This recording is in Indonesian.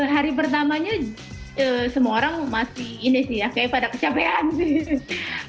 hari pertamanya semua orang masih ini sih ya kayak pada kecapean sih